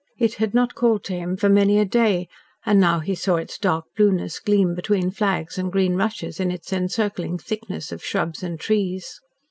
It had not called to him for many a day, and now he saw its dark blueness gleam between flags and green rushes in its encircling thickness of shrubs and trees.